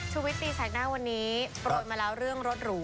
ชูเว็ตตีแสงหน้าวันนี้ปล่อยมาแล้วเรื่องรถหรู